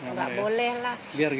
nggak boleh lah